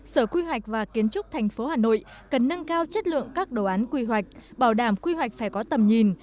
sở quy hoạch và kiến trúc thành phố hà nội cần nâng cao chất lượng các đồ án quy hoạch bảo đảm quy hoạch phải có tầm nhìn